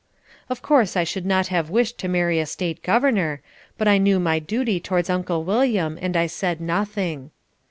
Of course I should not have wished to marry a state governor, but I knew my duty towards Uncle William and I said nothing.